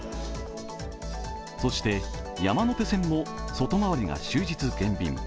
そして山手線も外回りが終日減便。